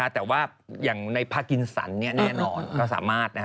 แต่ว่าอย่างในพากินสันแน่นอนก็สามารถ